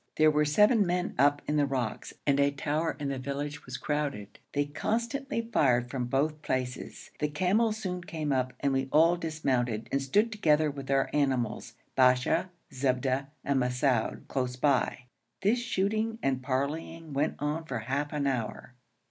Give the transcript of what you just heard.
There were seven men up in the rocks, and a tower in the village was crowded. They constantly fired from both places. The camels soon came up, and we all dismounted and stood together with our animals, Basha, Zubda, and Mahsoud close by. This shooting and parleying went on for half an hour.